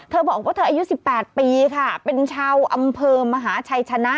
เธอบอกว่าเธออายุ๑๘ปีค่ะเป็นชาวอำเภอมหาชัยชนะ